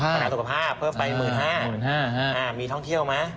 ปัญหาสุขภาพเพิ่มไป๑๕๐๐มีท่องเที่ยวไหม